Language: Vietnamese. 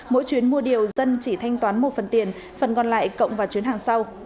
mỗi chuyến mua điều dân chỉ thanh toán một phần tiền phần còn lại cộng vào chuyến hàng sau